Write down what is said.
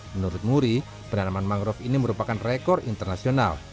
menurut muri penanaman mangrove ini merupakan rekor internasional